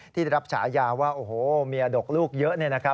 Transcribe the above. ที่รับฉายาว่าโอ้โฮเมียดกลูกเยอะเนี่ยนะครับ